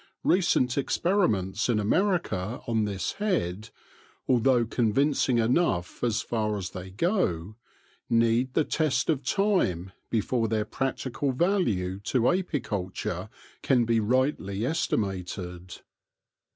Recent experiments in America on this head, although convincing enough as far as they go, need the test of time before their practical value to apicul ture can be rightly estimated.